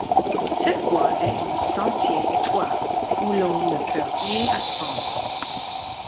Cette voie est un sentier étroit où l'on ne peut rien apprendre.